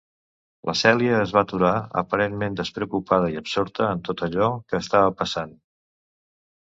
La Cèlia es va aturar aparentment despreocupada i absorta en tot allò que estava passant.